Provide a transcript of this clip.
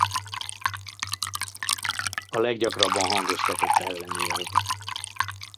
A leggyakrabban hangoztatott ellenérv.